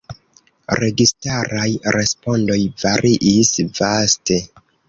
Registaraj respondoj variis vaste.